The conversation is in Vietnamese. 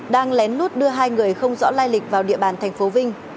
đang lén lút đưa hai người không rõ lai lịch vào địa bàn tp vinh